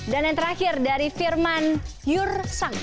dan yang terakhir dari firman yursang